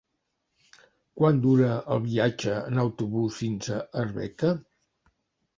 Quant dura el viatge en autobús fins a Arbeca?